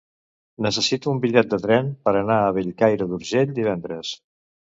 Necessito un bitllet de tren per anar a Bellcaire d'Urgell divendres.